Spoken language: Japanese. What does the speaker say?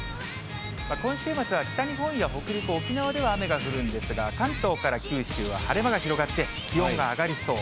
今週末は北日本や北陸、沖縄では雨が降るんですが、関東から九州は晴れ間が広がって、気温が上がりそう。